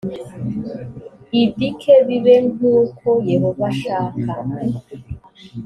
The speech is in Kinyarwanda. ibk bibe nk uko yehova ashaka